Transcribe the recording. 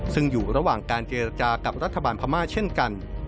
ซึ่งอยู่ระหว่างการเจรจากับรัฐบาลพม่าเช่นกัน